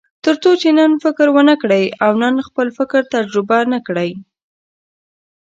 تر څو چې نن فکر ونه کړئ او نن خپل فکر تجربه نه کړئ.